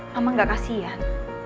mama gak kasihan